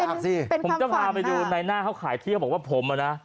อยากสิเป็นความฝันผมจะพาไปดูในหน้าเขาขายที่เขาบอกว่าผมนะ